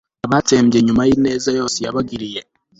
abatsembe nyuma y'ineza yose yabagiriye